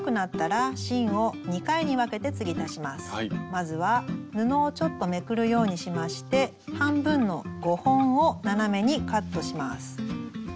まずは布をちょっとめくるようにしまして半分の５本を斜めにカットします。